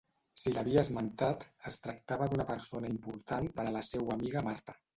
Si l'havia esmentat, es tractava d'una persona important per a la seua amiga Marta.